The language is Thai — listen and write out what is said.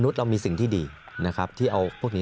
สามารถรู้ได้เลยเหรอคะ